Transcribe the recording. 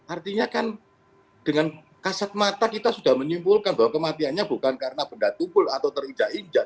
artinya kan dengan kasat mata kita sudah menyimpulkan bahwa kematiannya bukan karena benda tumpul atau terinjak injak